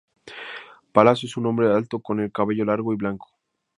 Il Palazzo es un hombre alto con el cabello largo y blanco.